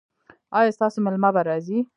ایا ستاسو میلمه به راځي؟